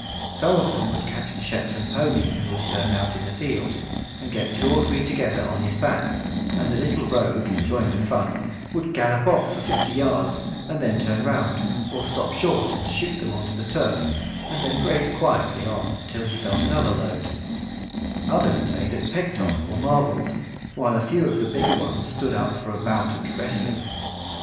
Some of them would catch the Shetland pony who was turned out in the field, and get two or three together on his back, and the little rogue, enjoying the fun, would gallop off for fifty yards, and then turn round, or stop short and shoot them on to the turf, and then graze quietly on till he felt another load; others played at peg top or marbles, while a few of the bigger ones stood up for a bout at wrestling.